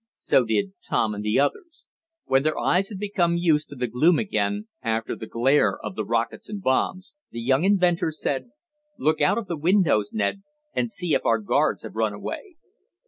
So did Tom and the others. When their eyes had become used to the gloom again, after the glare of the rockets and bombs, the young inventor said: "Look out of the windows, Ned, and see if our guards have run away."